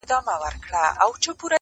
• ځکه لاهم پاته څو تڼۍ پر ګرېوانه لرم..